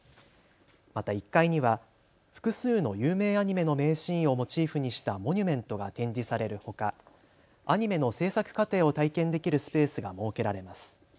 また１階には複数の有名アニメの名シーンをモチーフにしたモニュメントが展示されるほか、アニメの制作過程を体験できるスペースが設けられます。